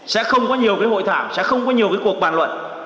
sẽ không có nhiều cuộc bàn luận